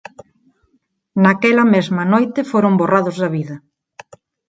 Naquela mesma noite foron borrados da vida.